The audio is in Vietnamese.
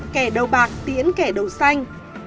kẻ đầu bạc tiễn kẻ đầu xanh